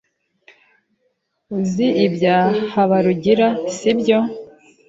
Uzi ibya Habarugira, sibyo?